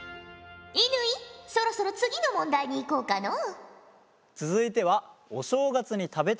乾そろそろ次の問題にいこうかのう。